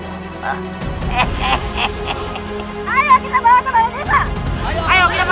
ayo kita bawa ke bagian desa